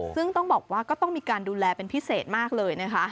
ซึ่งต้องบอกว่าก็ต้องมีการดูแลเป็นพิเศษมากเลยนะคะ